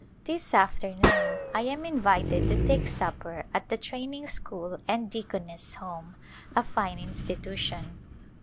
This afternoon I am invited to take supper at the Training School and Deaconess Home, a fine institu tion.